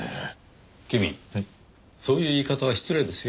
君そういう言い方は失礼ですよ。